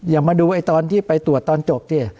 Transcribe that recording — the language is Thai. อย่ามาดูไอ้ตอนที่ไปตรวจตอนจบสิ